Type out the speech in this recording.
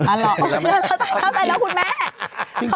อ่าหรอแล้วใจแล้วคุณแม่